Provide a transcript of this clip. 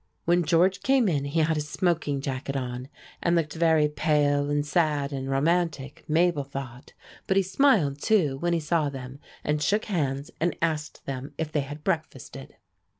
When George came in he had a smoking jacket on, and looked very pale and sad and romantic, Mabel thought, but he smiled, too, when he saw them, and shook hands and asked them if they had breakfasted.